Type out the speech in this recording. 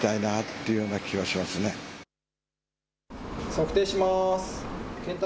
測定します。